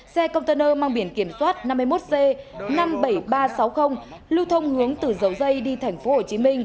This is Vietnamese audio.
xe công tôn nơ mang biển kiểm soát năm mươi một c năm mươi bảy nghìn ba trăm sáu mươi lưu thông hướng từ dầu dây đi tp hcm